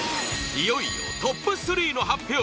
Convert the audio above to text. いよいよトップ３の発表。